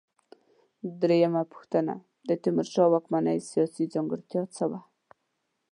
درېمه پوښتنه: د تیمورشاه د واکمنۍ سیاسي ځانګړتیا څه وه؟